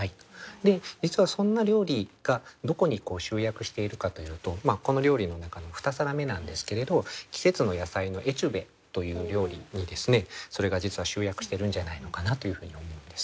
実はそんな料理がどこに集約しているかというとこの料理の中の２皿目なんですけれど「季節の野菜のエチュベ」という料理にそれが実は集約してるんじゃないのかなというふうに思うんです。